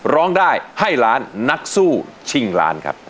ร้องได้ให้ล้านนักสู้ชิงล้านครับ